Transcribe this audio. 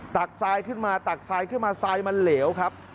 ตทรายขึ้นมาตักทรายขึ้นมาทรายมันเหลวครับ